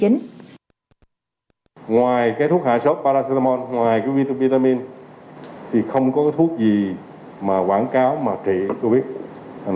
ngoài thuốc hạ sốt paracetamol ngoài vitamin thì không có thuốc gì quảng cáo mà trị covid